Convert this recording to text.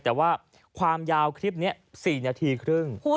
แต่ว่าความยาวคลิปนี้๔นาทีครึ่ง